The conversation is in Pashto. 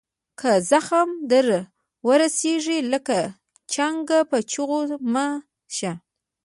که زخم در ورسیږي لکه چنګ په چیغو مه شه.